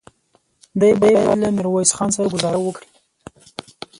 دی بايد له ميرويس خان سره ګذاره وکړي.